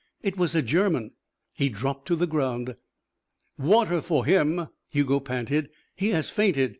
It was a German. He dropped to the ground. "Water for him," Hugo panted. "He has fainted.